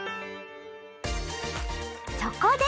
そこで！